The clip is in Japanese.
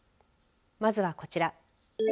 まずはこちら。